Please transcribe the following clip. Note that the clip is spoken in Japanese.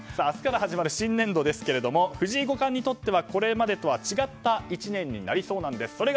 明日から始まる新年度ですが藤井五冠にとってはこれまでとは違った１年になりそうなんです。